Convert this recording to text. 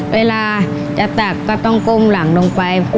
เวลาจะตักก็ต้องก้มหลังลงไป